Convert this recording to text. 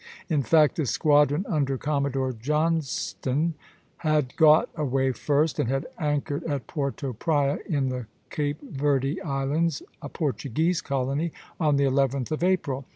In fact, the squadron under Commodore Johnstone had got away first, and had anchored at Porto Praya, in the Cape Verde Islands, a Portuguese colony, on the 11th of April.